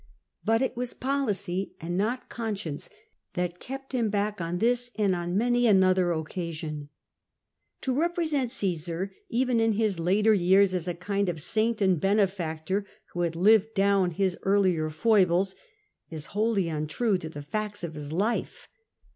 But it was policy and not conscience that kept him back on this and on many another occasion. To represent Omsar, even in his later yeai's, as a kind of saint and benefactor who had lived down his earlier foibles, is wholly untrue to the facts of his life.